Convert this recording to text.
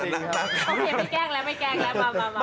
โอเคไม่แกล้งแล้วไม่แกล้งแล้ว